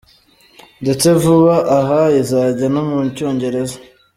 Ndetse vuba aha izajya no mu cyongereza.